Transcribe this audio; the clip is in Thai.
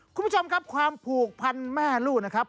คุณผู้ชมครับความผูกพันแม่ลูกนะครับ